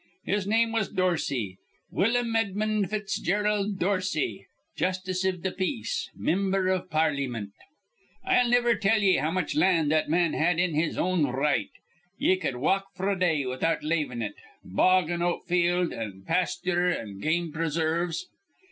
His name was Dorsey, Willum Edmund Fitzgerald Dorsey, justice iv th' peace, mimber iv Parlymint. "I'll niver tell ye how much land that man had in his own r right. Ye cud walk f'r a day without lavin' it, bog an' oat field an' pasthure an' game presarves.